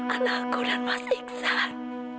anakku dan mas iksan